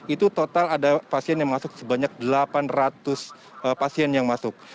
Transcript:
itu total ada pasien yang masuk sebanyak delapan ratus pasien yang masuk